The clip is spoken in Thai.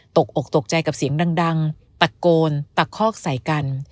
อกตกใจกับเสียงดังตะโกนตะคอกใส่กัน